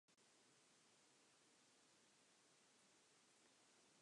According to DeMint, The Tea Party needs a new mission.